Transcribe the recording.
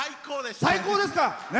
最高です！